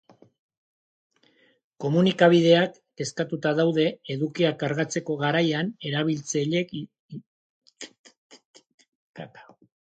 Editoreak eta komunikabideak kezkatuta daude edukiak kargatzeko garaian erabiltzaileek izaten dituzten arazoen aurrean.